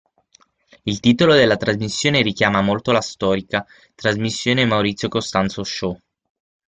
Il titolo della trasmissione richiama molto la storica trasmissione "Maurizio Costanzo Show".